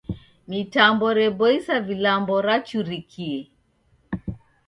Mitambo reboisa vilambo rachurikie.